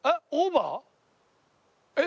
えっ？